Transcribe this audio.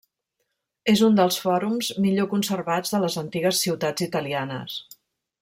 És un dels fòrums millor conservats de les antigues ciutats italianes.